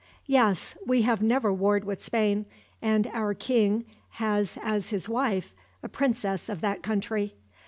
"Yes. We have never warred with Spain, and our king has as his wife a princess of that country.